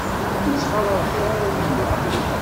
Ur ttxalaḍet ara winna.